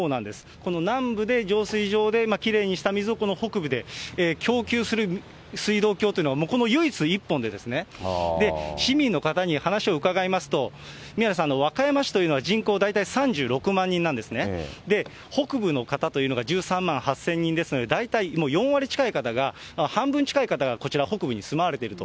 この南部で、浄水場できれいにした水をこの北部で供給する水道橋というのは、もうこの唯一１本で、市民の方に話を伺いますと、宮根さん、和歌山市というのは、人口大体３６万人なんですね、北部の方というのが１３万８０００人ですので、大体もう４割近い方が、半分近い方がこちら、北部に住まわれていると。